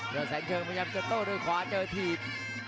เดี๋ยวแสนเชิงพยายามเจ็บโต้ด้วยขวาเจอถีบ